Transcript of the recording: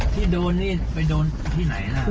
ที่โดนนี่ไปโดนที่ไหนล่ะ